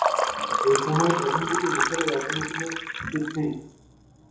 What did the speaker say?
এই সময়ের প্রথমদিকে মিশরের রাজধানী ছিল তিথনিস।